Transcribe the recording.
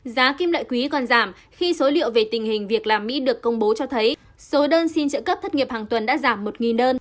giá kim loại quý còn giảm khi số liệu về tình hình việc làm mỹ được công bố cho thấy số đơn xin trợ cấp thất nghiệp hàng tuần đã giảm một đơn